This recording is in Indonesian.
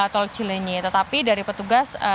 tol cilenyi tetapi dari petugas